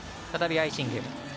再びアイシング。